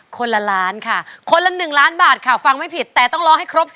คนละล้านค่ะคนละ๑ล้านบาทค่ะฟังไม่ผิดแต่ต้องร้องให้ครบ